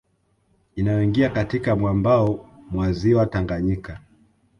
Inayoingia katika mwambao mwa Ziwa Tanganyika